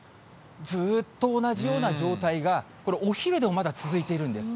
ずっと同じような状態がこれ、お昼でもまだ続いているんです。